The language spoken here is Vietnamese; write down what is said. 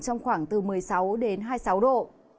trong khoảng từ một mươi sáu đến hai mươi sáu độ